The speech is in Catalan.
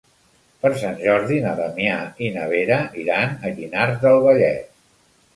Per Sant Jordi na Damià i na Vera iran a Llinars del Vallès.